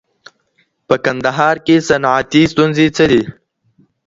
په کندهار کي صنعتي ستونزې څه دي؟